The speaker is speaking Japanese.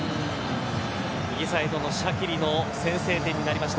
右サイドのシャキリの先制点になりました。